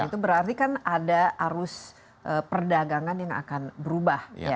itu berarti kan ada arus perdagangan yang akan berubah